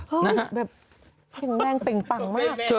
เหมือนแกงมังปริงปังมาก